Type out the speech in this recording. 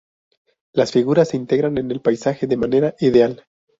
Las figuras se integran en el paisaje de manera ideal.